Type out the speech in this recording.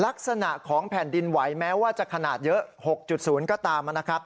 ลักษณะของแผ่นดินไหวแม้ว่าจะขนาดเยอะ๖๐ก็ตามนะครับ